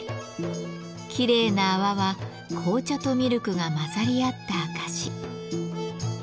きれいな泡は紅茶とミルクが混ざり合った証し。